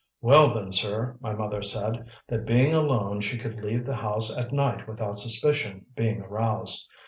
"Well, then, sir, my mother said, that being alone she could leave the house at night without suspicion being aroused.